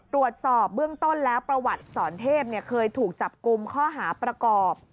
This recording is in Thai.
ตรวจสอบเบื้องต้นแล้วประวัติสอนเทพเคยถูกจับกลุ่มข้อหาประกอบ